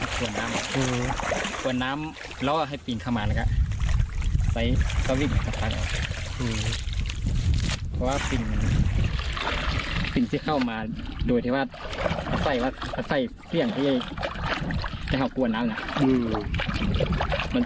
ถ้าใส่เสียงที่เท้ากวนน้ำ